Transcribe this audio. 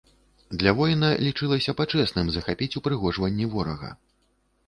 Для воіна лічылася пачэсным захапіць упрыгожванні ворага.